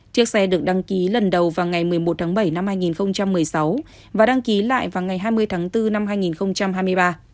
chiếc xe được đăng ký lần đầu vào ngày một mươi một tháng bảy năm hai nghìn một mươi sáu và đăng ký lại vào ngày hai mươi tháng bốn năm hai nghìn hai mươi ba